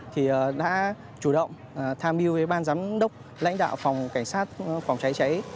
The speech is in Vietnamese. thì đã chủ động tham mưu với ban giám đốc lãnh đạo phòng cảnh sát phòng cháy cháy